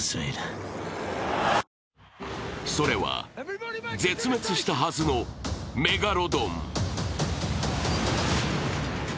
それは絶滅したはずのメガロドン。